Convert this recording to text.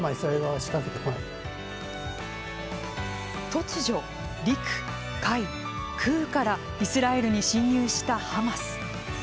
突如、陸・海・空からイスラエルに侵入したハマス。